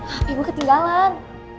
hp gue ketinggalan